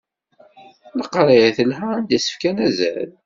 Leqraya telha anda s-fkan azal.